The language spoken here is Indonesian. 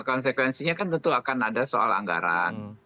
konsekuensinya kan tentu akan ada soal anggaran